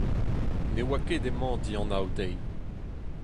Ne oa ket hemañ dianav dezhi.